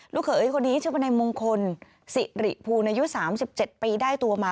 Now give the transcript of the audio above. ลูกเขยคนนี้ชื่อเป็นในมงคลศิริภูนายุ๓๗ปีได้ตัวมา